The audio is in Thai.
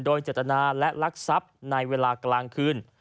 โดยเจตนาและลักทรัพย์ในเวลากลางคืน